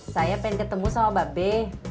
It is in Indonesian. saya pengen ketemu sama mbak be